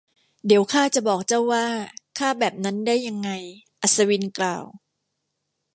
เดี๋ยวข้าจะบอกเจ้าว่าข้าแบบนั้นได้ยังไง อัศวินกล่าว